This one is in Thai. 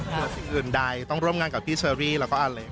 ส่วนสิ่งอื่นใดต้องร่วมงานกับพี่เชอรี่แล้วก็อเล็ก